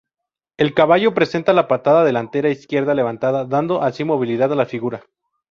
El caballo presenta la pata delantera izquierda levantada, dando así movilidad a la figura.